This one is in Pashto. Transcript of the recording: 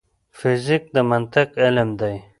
فزیک د منطق علم دی